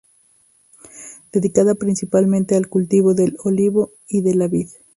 Dedicada principalmente al cultivo del olivo y de la vid.